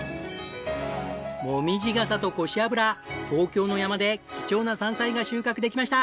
モミジガサとコシアブラ東京の山で貴重な山菜が収穫できました！